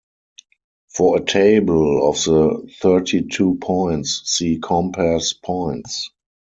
For a table of the thirty-two points, see compass points.